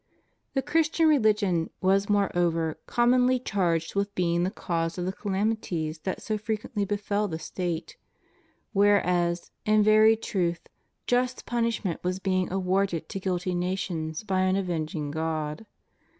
The Christian religion was moreover commonly charged with being the cause of the calamities that so frequently befell the State, whereas, in very truth, just punishment was being awarded to guilty nations by an avenging God.